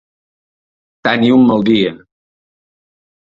Tenir un mal dia.